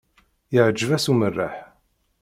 Iεǧeb-as umerreḥ.